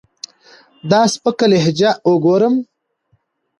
دا سپکه لهجه اوګورم